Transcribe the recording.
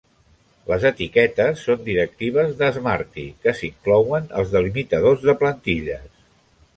Les etiquetes són directives de Smarty que s'inclouen als delimitadors de plantilles.